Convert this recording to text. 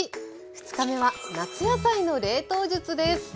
２日目は夏野菜の冷凍術です。